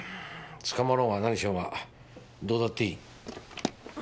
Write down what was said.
捕まろうが何しようがどうだっていい。